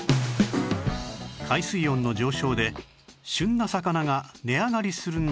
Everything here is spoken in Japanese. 海水温の上昇で旬な魚が値上がりする中